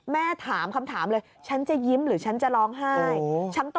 ถามคำถามเลยฉันจะยิ้มหรือฉันจะร้องไห้